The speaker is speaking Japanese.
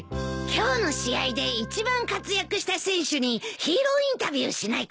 今日の試合で一番活躍した選手にヒーローインタビューしないか？